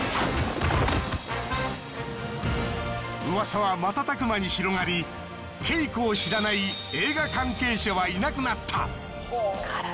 ウワサは瞬く間に広がりＫＥＩＫＯを知らない映画関係者はいなくなった。